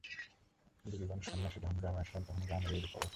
বিল্বন সন্ন্যাসী যখন গ্রামে আসিলেন তখন গ্রামের এইরূপ অবস্থা।